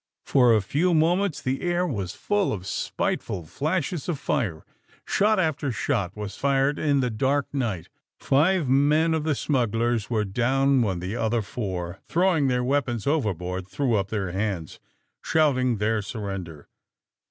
For a few moments the air was full of spiteful flashes of fire. Shot after shot was fired in the dark night,, Five men of the smugglers were down when the other four, throwing their weapons over board, threw up their hands, shouting their sur render.